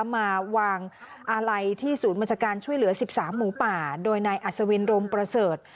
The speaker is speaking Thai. มาวางอาลัยที่ศูนย์บัญชาการช่วยเหลือ๑๓หมูป่าโดยนายอัศวินโรมประเสริฐ